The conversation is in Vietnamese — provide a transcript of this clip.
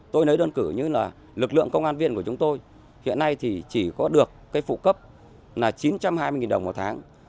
tôi nói đơn cử như lực lượng công an viên của chúng tôi hiện nay chỉ có được phụ cấp là chín trăm hai mươi đồng một tháng